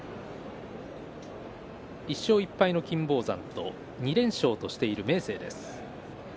１勝１敗の金峰山と２連勝としている明生です。